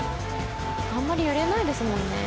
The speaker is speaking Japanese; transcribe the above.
あんまり揺れないですもんね。